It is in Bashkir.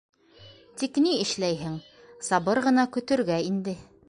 Тик ни эшләйһең — сабыр ғына көтөргә инде.